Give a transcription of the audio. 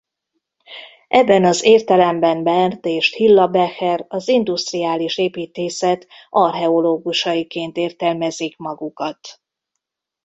Ebben az értelemben Bernd és Hilla Becher az indusztriális építészet archeológusaiként értelmezik magukat.